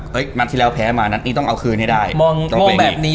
นัดที่แล้วแพ้มานัดนี้ต้องเอาคืนให้ได้มองแบบนี้